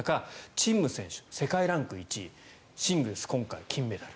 チン・ム選手、世界ランク１位シングルス、今回金メダル。